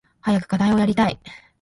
早く課題をやりたい。